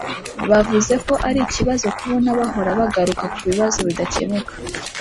Bavuze ko ari ikibazo kubona bahora bagaruka ku bibazo bidakemuka